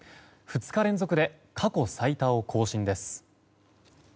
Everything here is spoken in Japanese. ２日連続で過去最多を更新です。